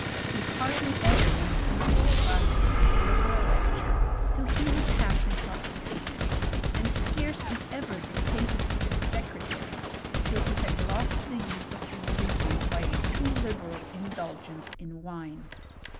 He hardly ever went into his class room to deliver a lecture till he was half in toxicated, and scarcely ever dictated to his secretaries till he had lost the use of his reason by a too liberal indulgence in wine.